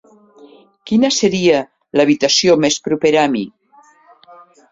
Quina seria l'habitació més propera a mi?